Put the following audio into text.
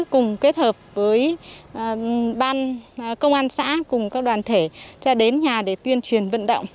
cùng kết hợp với ban công an xã cùng các đoàn thể sẽ đến nhà để tuyên truyền vận động